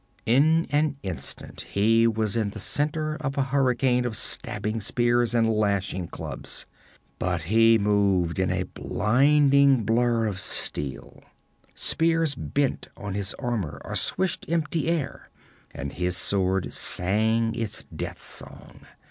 In an instant he was the center of a hurricane of stabbing spears and lashing clubs. But he moved in a blinding blur of steel. Spears bent on his armor or swished empty air, and his sword sang its death song.